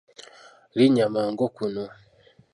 Linnya mangu kuno.